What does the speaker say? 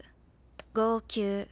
号泣。